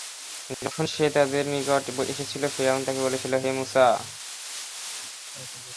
যখন সে তাদের নিকট এসেছিল, ফিরআউন তাকে বলেছিল, হে মূসা!